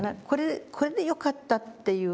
これでよかったっていう。